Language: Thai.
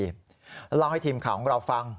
แล้วให้ทีมข่าวของเราฟัง